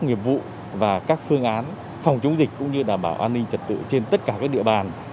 nghiệp vụ và các phương án phòng chống dịch cũng như đảm bảo an ninh trật tự trên tất cả các địa bàn